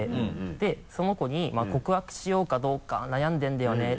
でその子に告白しようかどうか悩んでるんだよね。